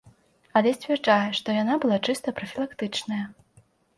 Але сцвярджае, што яна была чыста прафілактычная.